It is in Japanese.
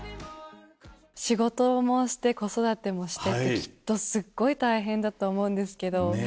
仕事もして子育てもしてってきっとすっごい大変だと思うんですけど。